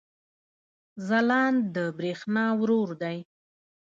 ځلاند د برېښنا ورور دی